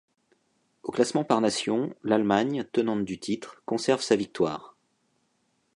Au classement par nations, l'Allemagne tenante du titre, conserve sa victoire.